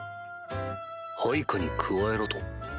配下に加えろと？